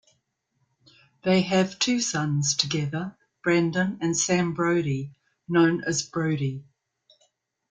They have two sons together, Brandon and Sam Brody, known as Brody.